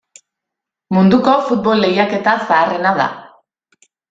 Munduko futbol lehiaketa zaharrena da.